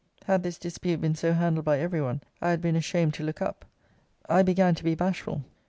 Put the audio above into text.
Had this dispute been so handled by every one, I had been ashamed to look up. I began to be bashful.